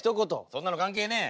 そんなの関係ねえ！